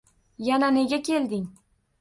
Yana nega kelding